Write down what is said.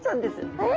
えっ！？